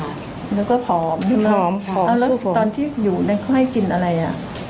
แล้วก็ผอมผอมผอมสุขแล้วตอนที่อยู่แล้วเขาให้กินอะไรอ่ะ